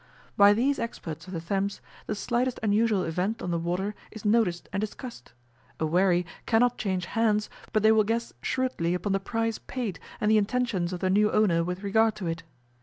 By these experts of the Thames the slightest unusual event on the water is noticed and discussed a wherry cannot change hands but they will guess shrewdly upon the price paid and the intentions of the new owner with regard to it.